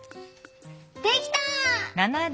できた！